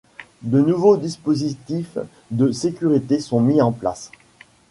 De nouveaux dispositifs de sécurité sont mis en place.